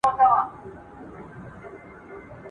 په دې پېر کي به هري خوا ته